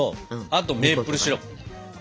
あとメープルシロップ。